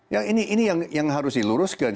ya ini ini yang harus diluruskan